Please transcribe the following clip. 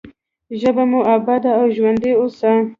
ژبه مو اباده او ژوندۍ اوسه.